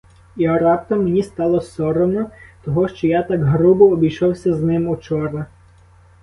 І раптом мені стало соромно того, що я так грубо обійшовся з ним учора.